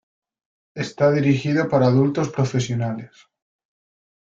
Está dirigido para adultos profesionales.